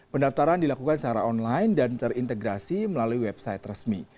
pendaftaran dilakukan secara online dan terintegrasi melalui website resmi